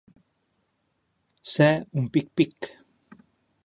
Ser un pic-pic.